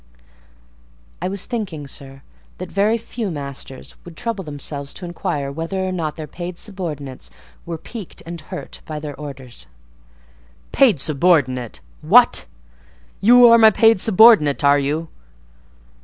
"I was thinking, sir, that very few masters would trouble themselves to inquire whether or not their paid subordinates were piqued and hurt by their orders." "Paid subordinates! What! you are my paid subordinate, are you?